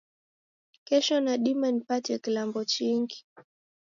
Kesho nadima nipate kilambo chingi?